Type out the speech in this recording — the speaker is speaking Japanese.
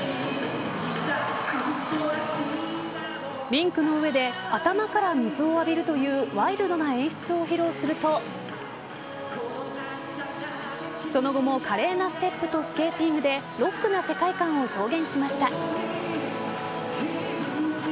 リンクの上で頭から水を浴びるというワイルドな演出を披露するとその後も華麗なステップとスケーティングでロックな世界観を表現しました。